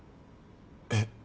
えっ？